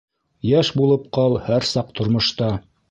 Йәш булып ҡал һәр саҡ тормошта.